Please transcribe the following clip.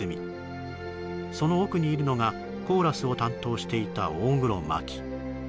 その奥にいるのがコーラスを担当していた大黒摩季